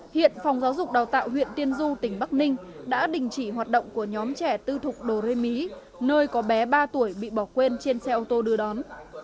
hiện phòng giáo dục đào tạo huyện tiên du tỉnh bắc ninh đã đình chỉ hoạt động của nhóm trẻ tư thục đồ rê mí nơi có bé ba tuổi bị bỏ quên trên xe ô tô đưa đón